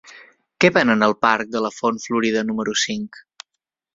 Què venen al parc de la Font Florida número cinc?